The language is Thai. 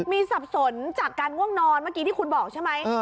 มีสับสนจากการง่วงนอนเมื่อกี้ที่คุณบอกใช่ไหม